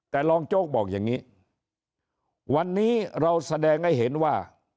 แต่รองโจ๊กบอกอย่างนี้วันนี้เราแสดงให้เห็นว่า